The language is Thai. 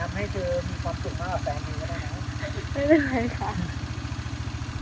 ไม่เป็นไรค่ะ